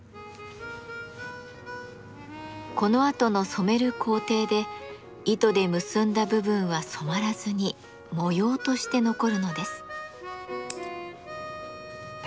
このあとの染める工程で糸で結んだ部分は染まらずに模様として残るのです。